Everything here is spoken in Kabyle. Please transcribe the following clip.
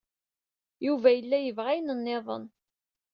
Yuba yella yebɣa ayen niḍen.